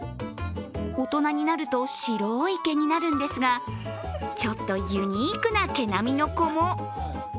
大人になると白い毛になるんですがちょっとユニークな毛並みの子も。